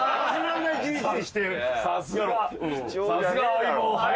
さすが。